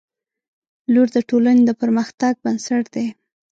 • لور د ټولنې د پرمختګ بنسټ دی.